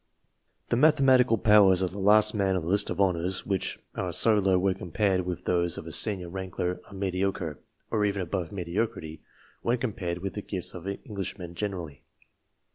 The mathematical powers of the last man on the list of honours, which are so low when compared with those of a senior wrangler, are mediocre, or even above mediocrity, when compared with the gifts of Englishmen generally.